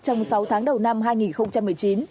trong sáu tháng đầu năm hai nghìn một mươi chín